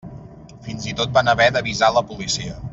Fins i tot van haver d'avisar la policia.